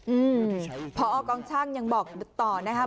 อืมพอกองช่างยังบอกต่อนะครับ